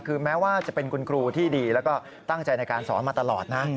คือแม้ว่าจะเป็นคุณครูที่ดีแล้วก็ตั้งใจในการสอนมาตลอดนะ